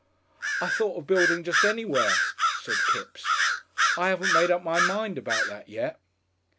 "I thought of building just anywhere," said Kipps. "I 'aven't made up my mind about that yet."